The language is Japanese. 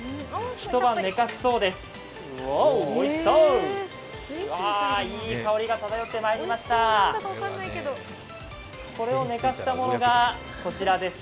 一晩寝かすそうです。